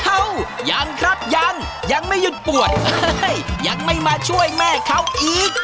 ยังครับยังยังไม่หยุดปวดยังไม่มาช่วยแม่เขาอีก